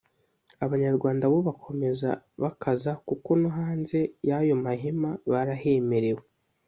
Abanyarwanda bo bakomeza bakaza kuko no hanze y’ayo mahema barahemerewe